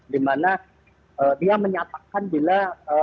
dimana dia menyatakan bila